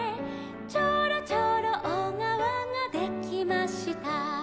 「ちょろちょろおがわができました」